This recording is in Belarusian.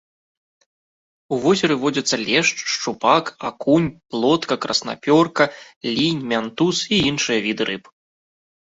У возеры водзяцца лешч, шчупак, акунь, плотка, краснапёрка, лінь, мянтуз і іншыя віды рыб.